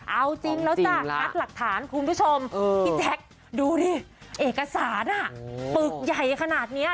เอาจริงแล้วจ้ะคัดหลักฐานคุณผู้ชมพี่แจ๊คดูดิเอกสารปึกใหญ่ขนาดนี้